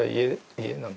家の。